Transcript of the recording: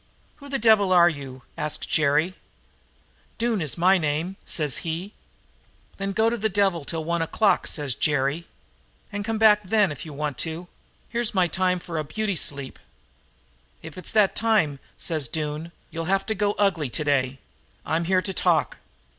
"'Who the devil are you?' asks Jerry. "'Doone is my name,' says he. "'Then go to the devil till one o'clock,' says Jerry. 'And come back then if you want to. Here's my time for a beauty sleep.' "'If it's that time,' says Doone, 'you'll have to go ugly today. I'm here to talk.'